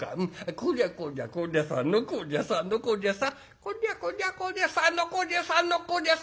こりゃこりゃこりゃさのこりゃさのこりゃさこりゃこりゃこりゃさのこりゃさのこりゃさ